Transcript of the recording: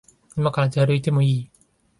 いまから出歩いてもいい？